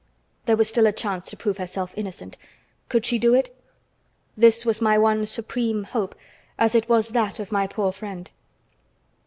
There was still a chance to prove herself innocent. Could she do it? This was my one supreme hope, as it was that of my poor friend.